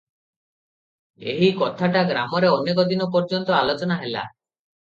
ଏହି କଥାଟା ଗ୍ରାମରେ ଅନେକ ଦିନ ପର୍ଯ୍ୟନ୍ତ ଆଲୋଚନା ହେଲା ।